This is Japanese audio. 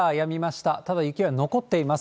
ただ、雪は残っています。